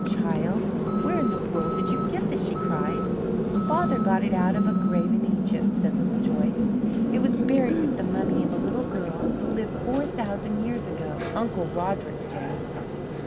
"Child, where in the world did you get this?" she cried. "Father got it out of a grave in Egypt," said Little Joyce. "It was buried with the mummy of a little girl who lived four thousand years ago, Uncle Roderick says.